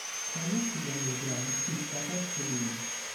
Tra gli ospiti underground, spicca Ill Bill.